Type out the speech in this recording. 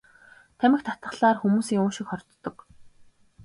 Тамхи татахлаар хүмүүсийн уушиг хордог.